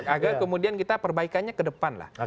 agar kemudian kita perbaikannya ke depan lah